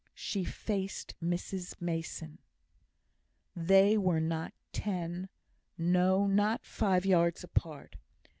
She faced Mrs Mason! They were not ten no, not five yards apart.